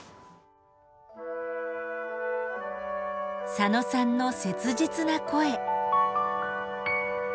佐野さんの切実な声。